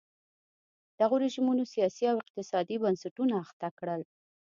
دغو رژیمونو سیاسي او اقتصادي بنسټونه اخته کړل.